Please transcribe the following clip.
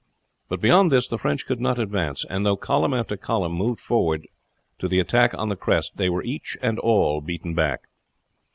But beyond this the French could not advance; and though column after column moved forward to the attack on the crest, they were each and all beaten back.